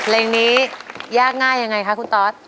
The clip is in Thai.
แม่เพลงนี้ยากง่ายอย่างไรคะคุณตอส